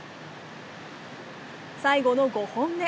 最後の５本目。